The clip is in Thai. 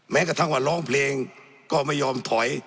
แม้กระทั่งว่าร้องเพลงก็ไม่ยอมถอย